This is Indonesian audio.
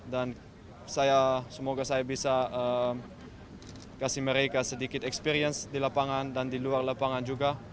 dan semoga saya bisa kasih mereka sedikit experience di lapangan dan di luar lapangan juga